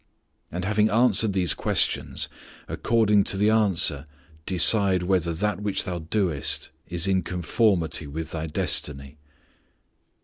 And having answered these questions, according to the answer decide whether that which thou doest is in conformity with thy destiny."